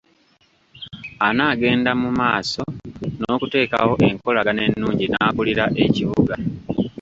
Anaagenda mu maaso n’okuteekawo enkolagana ennungi n’akulira ekibuga?